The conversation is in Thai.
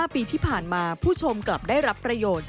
ปีที่ผ่านมาผู้ชมกลับได้รับประโยชน์